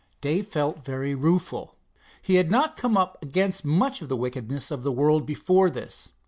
Dave felt very rueful. He had not come up against much of the wickedness of the world before this.